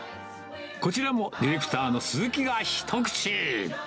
こちらもディレクターのすずきが一口。